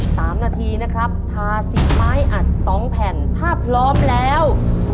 สามนาทีนะครับทาสิบไม้อัดสองแผ่นถ้าพร้อมแล้ว